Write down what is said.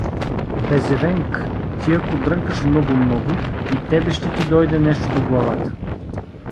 — Пезевенк, ти ако дрънкаш много-много, и тебе ще ти дойде нещо до главата.